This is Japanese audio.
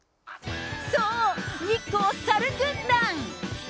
そう、日光さる軍団。